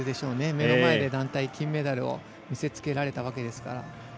目の前で団体金メダルを見せ付けられたわけですから。